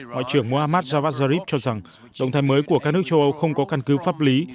ngoại trưởng mohammad javad zarif cho rằng động thái mới của các nước châu âu không có căn cứ pháp lý